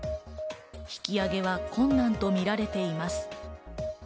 引き揚げは困難とみられています。